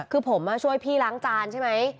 คือผมช่วยพี่ล้างจานใช่ไหม